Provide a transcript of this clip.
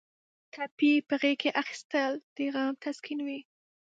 ټپي په غېږ کې اخیستل د غم تسکین وي.